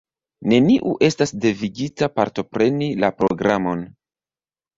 Neniu estas devigita partopreni la programon.